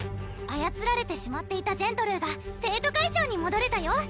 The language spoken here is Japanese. あやつられてしまっていたジェントルーが生徒会長にもどれたよ！